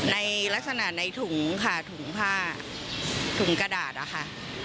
ในลักษณะในถุงค่ะถุงผ้าถุงกระดาษอะค่ะ